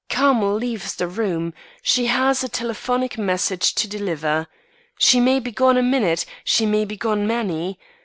Carmel leaves the room; she has a telephonic message to deliver. She may be gone a minute; she may be gone many.